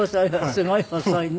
すごい細いね。